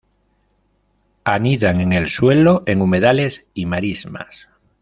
Anidan en el suelo, en humedales y marismas.